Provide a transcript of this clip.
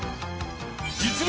実力